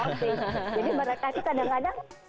jadi mereka tuh kadang kadang